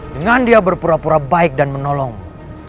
dengan dia berpura pura baik dan menolong